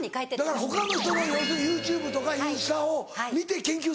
だから他の人の要するにＹｏｕＴｕｂｅとかインスタを見て研究するんだ。